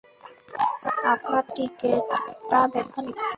আপনার টিকেটটা দেখান একটু।